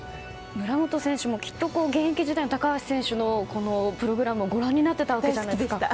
村元選手もきっと現役時代の高橋選手のプログラムをご覧になっていたわけじゃないですか。